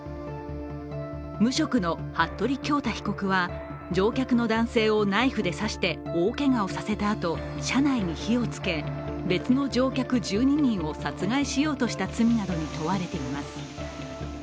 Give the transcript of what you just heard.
無職の服部恭太被告は、乗客の男性をナイフで刺して大けがをさせた後車内に火をつけ、別の乗客１２人を殺害しようとした罪になどに問われています。